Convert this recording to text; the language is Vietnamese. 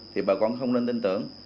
thì bà con không nên tin tưởng